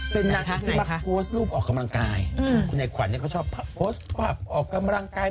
เป็นนางที่มักโพสต์รูปแบบออกกำลังกาย